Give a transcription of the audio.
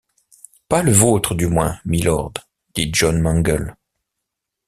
Pas le vôtre, du moins, mylord, dit John Mangles.